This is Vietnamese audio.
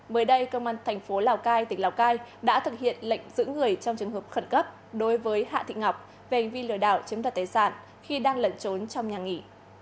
mới đây công an thành phố lào cai tỉnh lào cai đã thực hiện lệnh giữ người trong trường hợp khẩn cấp đối với hạ thị ngọc về hành vi lừa đảo chiếm đặt tài sản khi đang lẩn trốn trong nhà nghỉ